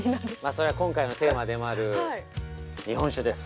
◆それは今回のテーマでもある日本酒です。